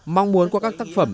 mong muốn qua các tác phẩm